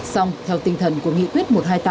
xong theo tinh thần của nghị quyết một trăm hai mươi tám